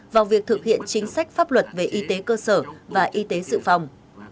vào việc thực hiện chính sách pháp luật về y tế cơ sở và y tế dự phòng